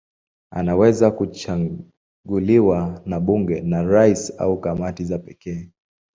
Anaweza kuchaguliwa na bunge, na rais au kamati za pekee.